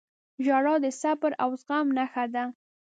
• ژړا د صبر او زغم نښه ده.